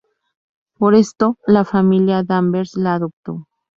Por esto la familia Danvers la adoptó.